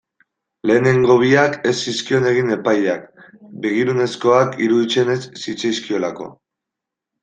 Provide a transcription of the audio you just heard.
Lehenengo biak ez zizkion egin epaileak, begirunezkoak iruditzen ez zitzaizkiolako.